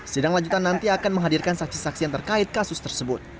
sidang lanjutan nanti akan menghadirkan saksi saksi yang terkait kasus tersebut